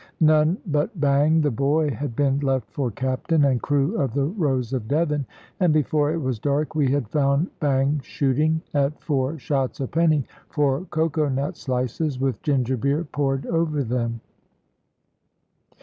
None but Bang, the boy, had been left for captain and crew of the Rose of Devon, and before it was dark we had found Bang shooting, at four shots a penny, for cocoa nut slices, with ginger beer poured over them.